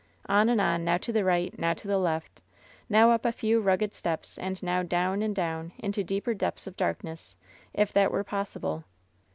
On and on, now to the right, now to the left, now up a few mgged steps, and now down and down into deeper depths of darlmess, if that were possible.